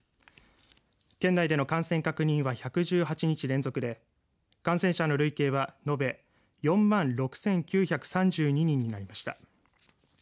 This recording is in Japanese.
県内での感染確認は１１８日連続で感染者の累計は延べ４万６９３２人になりました。